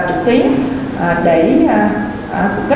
trực tiếp và trực tuyến